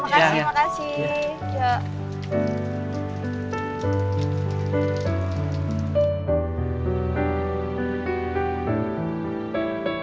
terima kasih terima kasih